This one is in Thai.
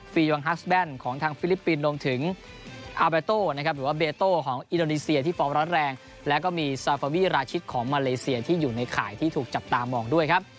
วังฮัสแบนของทางฟิลิปปินส์รวมถึงอาเบโต้นะครับหรือว่าเบโต้ของอินโดนีเซียที่ฟอร์มร้อนแรงแล้วก็มีซาฟาวีราชิตของมาเลเซียที่อยู่ในข่ายที่ถูกจับตามองด้วยครับ